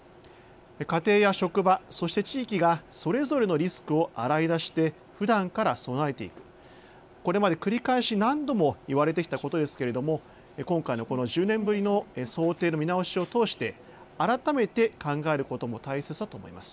家庭や職場、そして地域がそれぞれのリスクを洗い出してふだんから備えていく、これまで繰り返し何度もいわれてきたことですが今回の１０年ぶりの想定の見直しを通して改めて考えることも大切だと思います。